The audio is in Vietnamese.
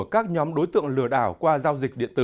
các nhóm đối tượng lừa đảo qua giao dịch điện tử